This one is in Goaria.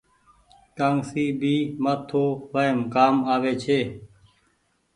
ڪآنگسي ڀي مآٿو وآئم ڪآم آوي ڇي۔